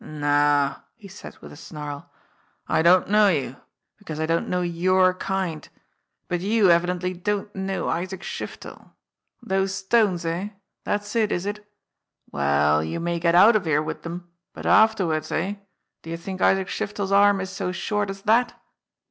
"No," he said with a snarl, "I don't know you, because I don't know your kind. But you evidently don't know Isaac Shiftel. Those stones, eh ? That's it, is it? Well, you may get out of here with them, but afterwards eh? do you think Isaac Shiftel's arm is so short as that?"